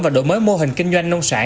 và đổi mới mô hình kinh doanh nông sản